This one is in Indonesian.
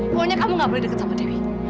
pokoknya kamu gak boleh deket sama diri